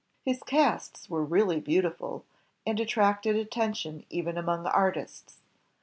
His casts were really beautiful, and attracted attention even among artists.